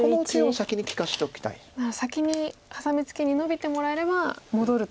先にハサミツケにノビてもらえれば戻ると。